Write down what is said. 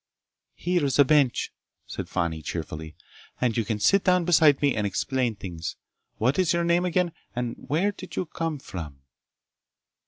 "Here's a bench," said Fani cheerfully, "and you can sit down beside me and explain things. What's your name, again, and where did you come from?"